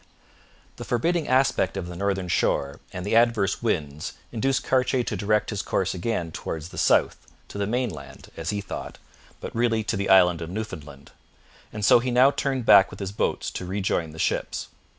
The forbidding aspect of the northern shore and the adverse winds induced Cartier to direct his course again towards the south, to the mainland, as he thought, but really to the island of Newfoundland; and so he now turned back with his boats to rejoin the ships.